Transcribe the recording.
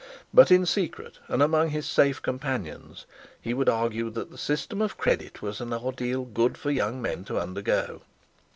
But in secret, and among his safe companions, he would argue that the system of credit was an ordeal good for young men to undergo.